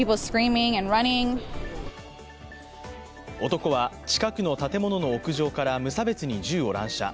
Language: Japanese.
男は近くの建物の屋上から無差別に銃を乱射。